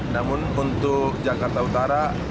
namun untuk jakarta utara